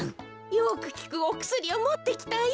よくきくおくすりをもってきたよ。